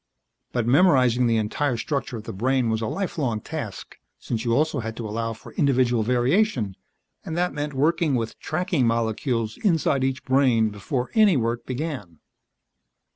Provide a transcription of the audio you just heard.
But memorizing the entire structure of the brain was a lifelong task, since you also had to allow for individual variation, and that meant working with "tracking" molecules inside each brain before any work began.